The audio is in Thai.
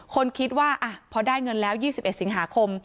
คนคิดว่าพอได้เงินแล้ว๒๑สิงหาคม